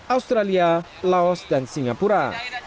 julia laos dan singapura